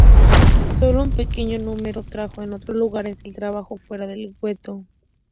Sólo un pequeño número trabajó en otros lugares de trabajo fuera del gueto.